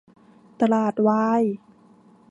ตลาดวาย